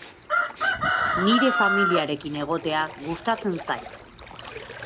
Nire familiarekin egotea gustatzen zait.